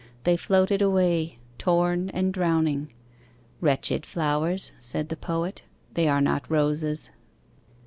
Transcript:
They floated away, torn and drowning. "Wretched flowers," said the Poet, "They are not roses."